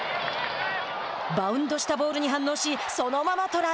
バウンドしたボールに反応しそのままトライ。